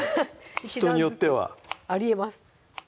人によってはありえます